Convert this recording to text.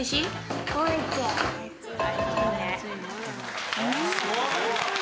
すごい！